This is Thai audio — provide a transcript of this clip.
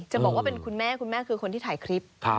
บอกว่าเป็นคุณแม่คุณแม่คือคนที่ถ่ายคลิป